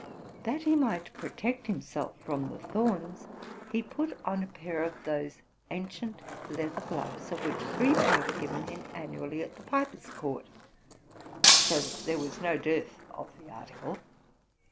That he might protect himself from the thorns, he put on a pair of those ancient leather gloves, of which three pair were given him annually at the Piper's Court; so that there was no dearth of the article.